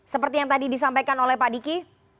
seperti yang tadi disampaikan oleh pak diki